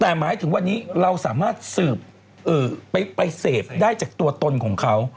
แต่หมายถึงวันนี้เราสามารถสืบไปเสพได้จากตัวตนของเขา